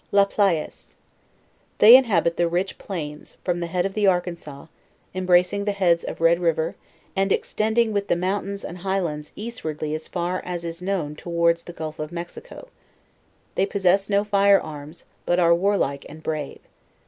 LA PLAYES. They inhabit the rich plains, from the head of the'Arkansas, embracing the heads of Red river, and ex tending with the mountains s.nd high lands eastwardly as far as is known towards the gulfaf Mexico. They possess no fire arms, but are war like and brave.